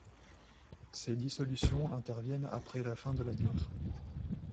Ces dissolutions interviennent après la fin de la guerre.